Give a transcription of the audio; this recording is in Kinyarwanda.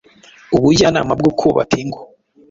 ubujyanama bwo kubaka ingo